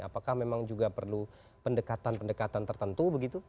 apakah memang juga perlu pendekatan pendekatan tertentu begitu